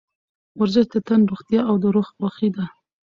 ورزش د تن روغتیا او د روح خوښي ده.